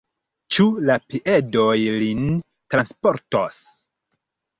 Ĉu la piedoj lin transportos?